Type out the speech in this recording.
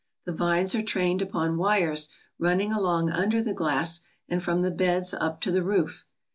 The vines are trained upon wires running along under the glass and from the beds up to the roof.